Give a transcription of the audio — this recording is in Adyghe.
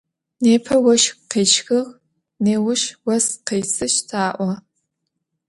Nêpe voşx khêşxığ, nêuş vos khêsışt a'o.